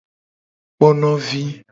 Kponovi.